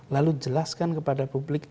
lalu jelaskan kepada publik